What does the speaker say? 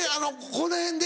この辺で？